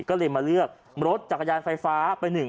ก็เลยมาเลือกรถจักรยานไฟฟ้าไปหนึ่ง